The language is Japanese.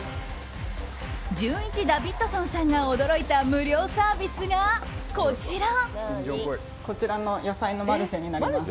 じゅんいちダビッドソンさんが驚いた無料サービスがこちら。